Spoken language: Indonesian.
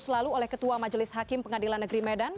diterus lalu oleh ketua majelis hakim pengadilan negeri medan